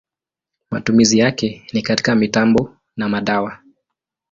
Matumizi yake ni katika mitambo na madawa.